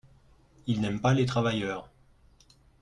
Ils n’aiment pas les travailleurs.